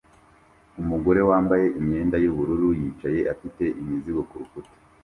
Umugore wambaye imyenda yubururu yicaye afite imizigo kurukuta